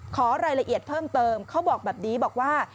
ขอรายละเอียดเพิ่มเติมเขาบอกแบบนี้บอกว่า